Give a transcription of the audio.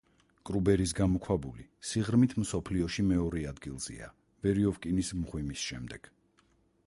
კრუბერის გამოქვაბული სიღრმით მსოფლიოში მეორე ადგილზეა ვერიოვკინის მღვიმის შემდეგ.